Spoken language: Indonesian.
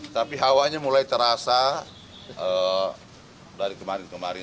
tapi hawanya mulai terasa dari kemarin kemarin